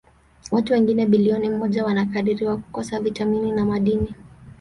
Watu wengine bilioni moja wanakadiriwa kukosa vitamini na madini.